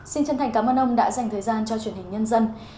xin chân thành cảm ơn ông đã dành thời gian cho truyền hình nhân dân